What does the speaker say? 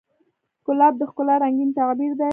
ګلاب د ښکلا رنګین تعبیر دی.